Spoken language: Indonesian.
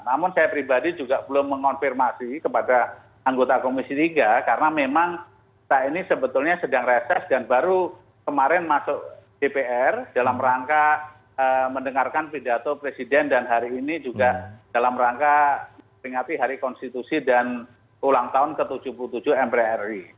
namun saya pribadi juga belum mengonfirmasi kepada anggota komisi tiga karena memang saat ini sebetulnya sedang reses dan baru kemarin masuk dpr dalam rangka mendengarkan pidato presiden dan hari ini juga dalam rangka ringati hari konstitusi dan ulang tahun ke tujuh puluh tujuh mbrri